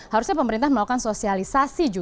harusnya pemerintah melakukan sosialisasi